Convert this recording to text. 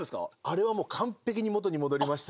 あれはもう完璧に元に戻りました。